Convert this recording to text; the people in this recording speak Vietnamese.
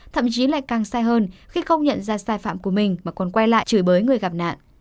thậm chí lại càng xa hơn khi không nhận ra sai phạm của mình mà còn quay lại chửi bới người gặp nạn